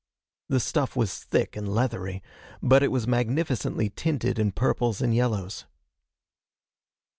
The stuff was thick and leathery, but it was magnificently tinted in purples and yellows.